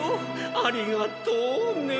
ありがとうね。